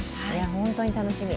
本当に楽しみ。